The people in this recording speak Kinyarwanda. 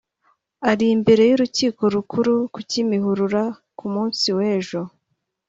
Ari imbere y’Urukiko Rukuru ku Kimihurura ku munsi w’ejo